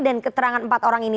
dan keterangan empat orang ini